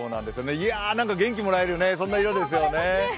いや元気もらえるよね、そんな色ですよね。